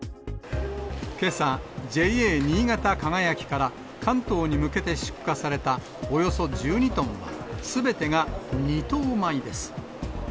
けさ、ＪＡ新潟かがやきから関東に向けて出荷されたおよそ１２トンは、すべてが２等米です。